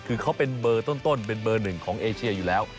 คือเขาเป็นเบอร์ต้นเป็นเบอร์หนึ่งของเอเชียอยู่แล้ว